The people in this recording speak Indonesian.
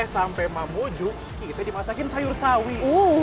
sampai mamuju kita dimasakin sayur sawi